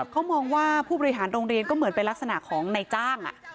เขามองว่าผู้บริหารโรงเรียนก็เหมือนเป็นลักษณะของนายจ้าง